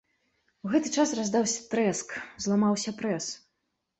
У гэты час раздаўся трэск, зламаўся прэс.